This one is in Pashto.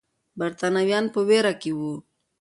برتانويان په ویره کې وو.